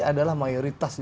adalah mayoritas di dprn